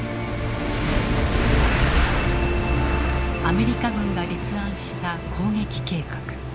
アメリカ軍が立案した攻撃計画。